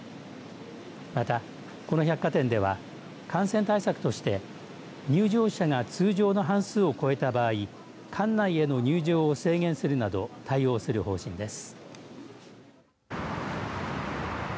またこの百貨店では感染対策として入場者が通常の半数を超えた場合館内への入場を制限するなど対応する方針です。